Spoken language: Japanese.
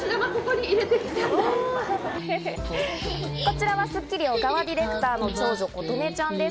こちらは『スッキリ』小川ディレクターの長女・ことねちゃんです。